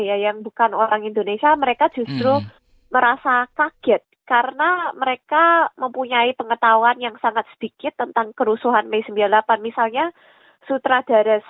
kayaknya cukup kaget sih